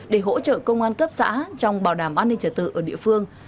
để hỗ trợ công an cấp xã trong bảo đảm an ninh trả tự ở địa phương